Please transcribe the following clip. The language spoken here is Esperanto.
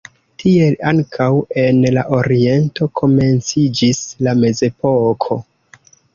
Tiel ankaŭ en la oriento komenciĝis la mezepoko.